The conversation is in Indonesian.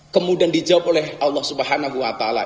kemudian dijawab oleh allah subhanahu wa ta ala